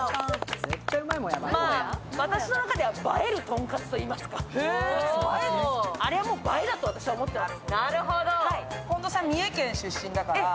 私の中では映える豚カツといいますか、あれはもう映えだと私は思ってます。